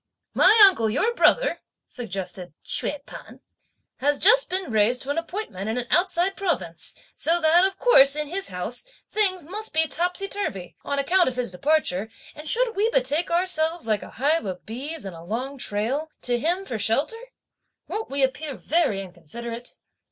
"My uncle, your brother," suggested Hsüeh P'an, "has just been raised to an appointment in an outside province, so that, of course, in his house, things must be topsy turvey, on account of his departure; and should we betake ourselves, like a hive of bees and a long trail, to him for shelter; won't we appear very inconsiderate?"